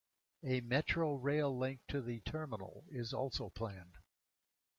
A metro rail link to the terminal is also planned.